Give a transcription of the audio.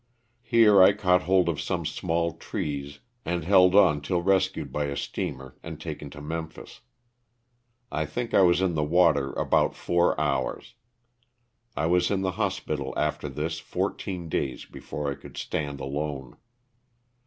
Here I caught hold of some small trees and held on till rescued by a steamer and taken to Memphis. I think I was in the water about four hours. I was in the hospital after this fourteen days before I could stand alone.